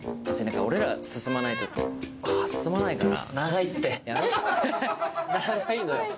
俺らやらないと進まないかと。